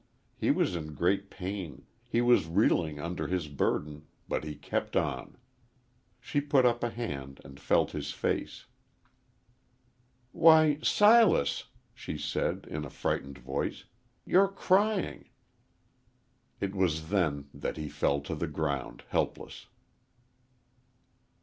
He was in great pain; he was reeling under his burden, but he kept on. She put up a hand and felt his face. "Why, Silas," she said, in a frightened voice, "you're crying." It was then that he fell to the ground helpless.